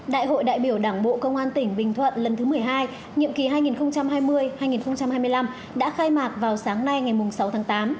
đại hội đại biểu đảng bộ công an tỉnh bình thuận lần thứ một mươi hai nhiệm kỳ hai nghìn hai mươi hai nghìn hai mươi năm đã khai mạc vào sáng nay ngày sáu tháng tám